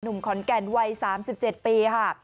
หนุ่มขอนแก่นวัย๓๗ปีค่ะ